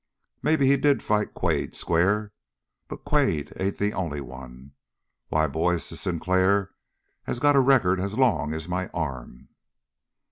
Maybe he did fight Quade square, but Quade ain't the only one. Why, boys, this Sinclair has got a record as long as my arm."